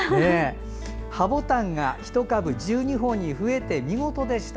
葉ぼたんが１株１２本に増えて見事でした。